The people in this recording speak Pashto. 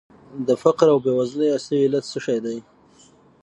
د فقر او بېوزلۍ اصلي علت څه شی دی؟